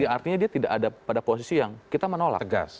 artinya dia tidak ada pada posisi yang kita menolak